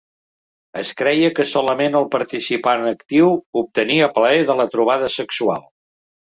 Es creia que solament el participant actiu obtenia plaer de la trobada sexual.